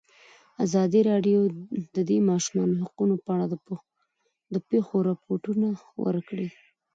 ازادي راډیو د د ماشومانو حقونه په اړه د پېښو رپوټونه ورکړي.